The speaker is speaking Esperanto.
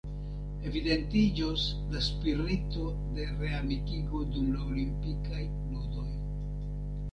Evidentiĝos la spirito de reamikigo dum la Olimpikaj Ludoj.